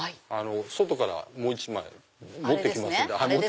外からもう１枚持ってきます。